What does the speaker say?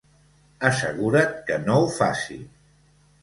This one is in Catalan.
Assegura't que no ho faci!